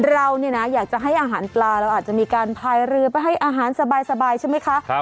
เราเนี่ยนะอยากจะให้อาหารปลาเราอาจจะมีการพายเรือไปให้อาหารสบายใช่ไหมคะ